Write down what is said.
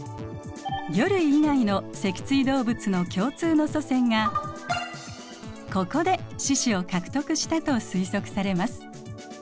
魚類以外の脊椎動物の共通の祖先がここで四肢を獲得したと推測されます。